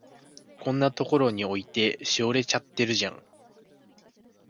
こんなとこに置いて、しおれちゃってるじゃん。